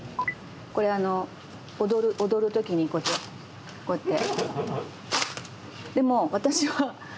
これ踊る時にこうやってこうやって。